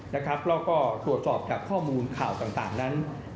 เราก็ตรวจสอบกับข้อมูลข่าวต่างนั้น